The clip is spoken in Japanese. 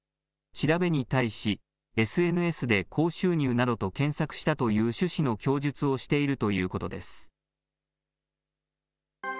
調べに対し、ＳＮＳで高収入などと検索したという趣旨の供述をしているということです。